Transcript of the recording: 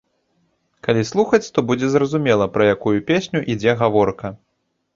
Калі слухаць, то будзе зразумела, пра якую песню ідзе гаворка.